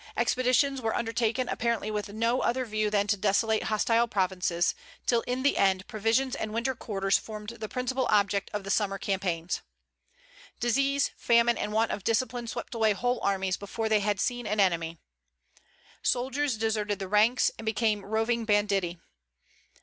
"Expeditions were undertaken apparently with no other view than to desolate hostile provinces, till in the end provisions and winter quarters formed the principal object of the summer campaigns." "Disease, famine, and want of discipline swept away whole armies before they had seen an enemy." Soldiers deserted the ranks, and became roving banditti.